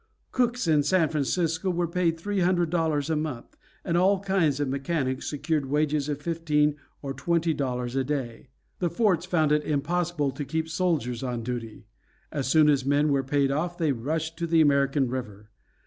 Cooks in San Francisco were paid three hundred dollars a month, and all kinds of mechanics secured wages of fifteen or twenty dollars a day. The forts found it impossible to keep soldiers on duty. As soon as men were paid off they rushed to the American River.